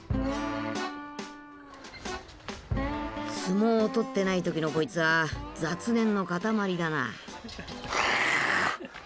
相撲をとってない時のこいつは雑念の塊だな。